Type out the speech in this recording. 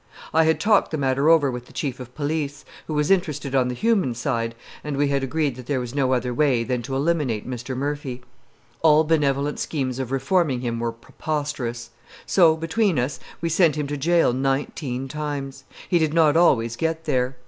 I had talked the matter over with the Chief of Police, who was interested on the human side, and we had agreed that there was no other way than to eliminate Mr. Murphy. All benevolent schemes of reforming him were preposterous. So, between us, we sent him to jail nineteen times. He did not always get there.